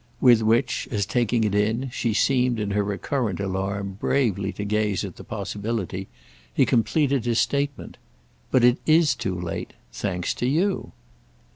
With which, as, taking it in, she seemed, in her recurrent alarm, bravely to gaze at the possibility, he completed his statement. "But it is too late. Thanks to you!"